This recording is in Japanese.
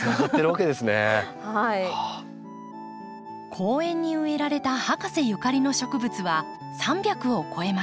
公園に植えられた博士ゆかりの植物は３００を超えます。